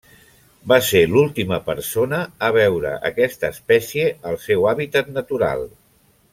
Va ser l'última persona a veure aquesta espècie al seu hàbitat natural.